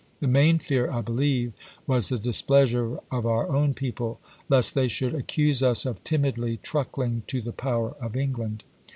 The main fear, I believe, was the displeasure of oui* own Bates people — lest they should accuse us of timidly truckling Diary. MS. to the powcr of England.